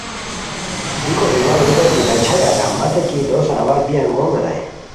بیکو ای واؤ ریتائے کی باچھائے عالم مت کی دوسان اوا بی انگوم ریتائے